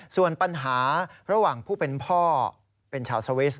ส่วนปัญหาระหว่างผู้เป็นพ่อเป็นชาวสวิส